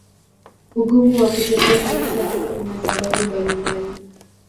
Ugumu wa kutetea Kanisa hilo una sababu mbalimbali.